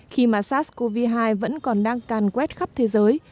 khi mà sars cov hai vẫn còn đang can quét khắp thế giới